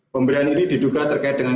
pemberian ini diduga terkait dengan